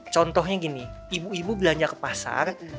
contohnya gini ibu ibu belanja ke pasar